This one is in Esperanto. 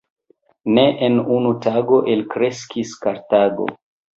Ne en unu tago elkreskis Kartago.